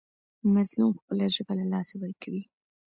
مظلوم خپله ژبه له لاسه ورکوي.